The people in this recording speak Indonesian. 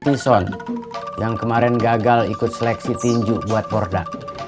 pinson yang kemarin gagal ikut seleksi tinju buat bordak